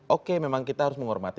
oke memang kita harus menghormati